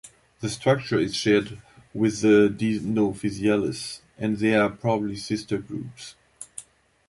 This structure is shared with the Dinophysiales, and they are probably sister groups.